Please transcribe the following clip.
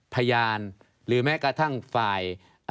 พยานหรือแม้กระทั่งฝ่าย